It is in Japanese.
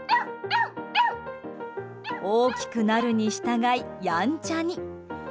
大きくなるに従い、やんちゃに。